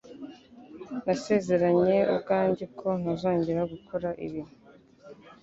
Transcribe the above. Nasezeranye ubwanjye ko ntazongera gukora ibi